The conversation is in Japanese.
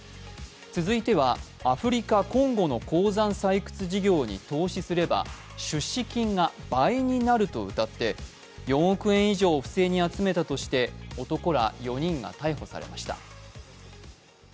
続いてはアフリカ・コンゴの採掘事業に投資すれば出資金が倍になるとうたって、４億円以上を不正に集めたとして、男ら４人が逮捕されました。